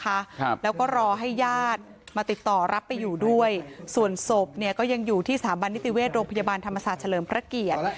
ครับแล้วก็รอให้ญาติมาติดต่อรับไปอยู่ด้วยส่วนศพเนี่ยก็ยังอยู่ที่สถาบันนิติเวชโรงพยาบาลธรรมศาสตร์เฉลิมพระเกียรติ